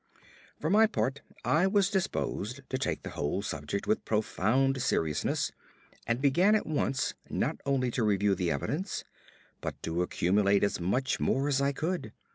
For my part, I was disposed to take the whole subject with profound seriousness, and began at once not only to review the evidence, but to accumulate as much more as I could.